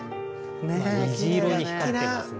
虹色に光ってますね。